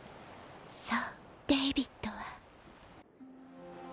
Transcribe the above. そうデイビッドは。